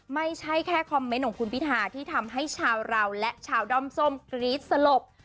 ไม่ใช่แค่คอมเมนต์ของคุณพิธาที่ทำให้ชาวเราและชาวด้อมส้มกรี๊ดสลบ